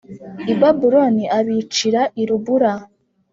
i Babuloni abicira l i Ribula